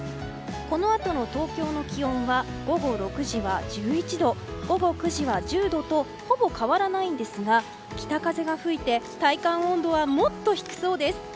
この後の東京の気温は午後６時は１１度午後９時は１０度とほぼ変わらないんですが北風が吹いて体感温度はもっと低そうです。